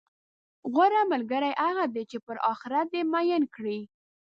غوره ملګری هغه دی، چې پر اخرت دې میین کړي،